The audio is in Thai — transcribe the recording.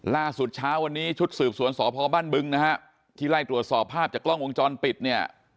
ล่าสุดเช้าวันนี้ชุดสืบสวนสพบ้านบึงนะฮะที่ไล่ตรวจสอบภาพจากกล้องวงจรปิดเนี่ย